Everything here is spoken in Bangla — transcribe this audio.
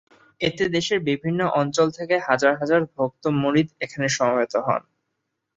এতে দেশের বিভিন্ন অঞ্চল থেকে হাজার হাজার ভক্ত-মুরিদ এখানে সমবেত হন।